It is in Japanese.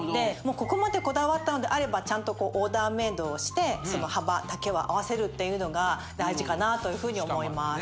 ここまでこだわったんであればちゃんとオーダーメイドをして幅丈は合わせるっていうのが大事かなというふうに思います。